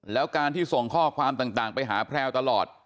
แล้วการที่ส่งข้อความต่างไปหาแพลวตลอด